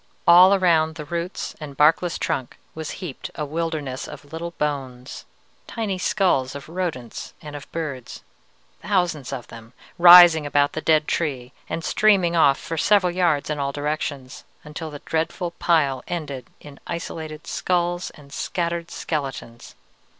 "All around the roots and barkless trunk was heaped a wilderness of little bones. Tiny skulls of rodents and of birds, thousands of them, rising about the dead tree and streaming off for several yards in all directions, until the dreadful pile ended in isolated skulls and scattered skeletons.